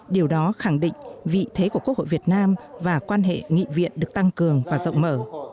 điều đó khẳng định vị thế của quốc hội việt nam và quan hệ nghị viện được tăng cường và rộng mở